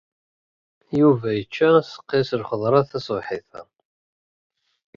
Yuba yečča aseqqi s lxeḍra taṣebḥit-a.